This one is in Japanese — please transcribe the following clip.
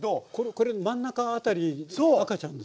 これ真ん中あたり赤ちゃんですか？